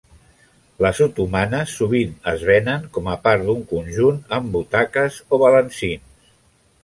Les otomanes sovint es venen com a part d'un conjunt amb butaques o balancins.